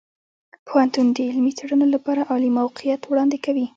پوهنتون د علمي څیړنو لپاره عالي موقعیت وړاندې کوي.